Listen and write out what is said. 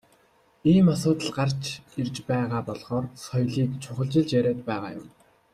Ийм асуудал гарч ирж байгаа болохоор соёлыг чухалчилж яриад байгаа юм.